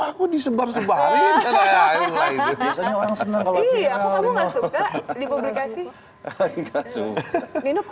aku suka di publikasi